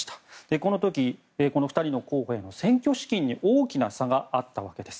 この時、２人の候補への選挙資金に大きな差があったわけです。